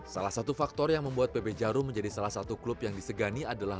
salah satu faktor yang membuat pb jarum menjadi salah satu klub yang disegani adalah